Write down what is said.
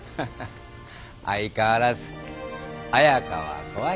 相変わらず彩佳は怖い。